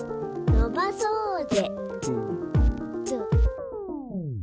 「のばそーぜ」